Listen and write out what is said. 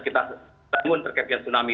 kita bangun terkait dengan tsunami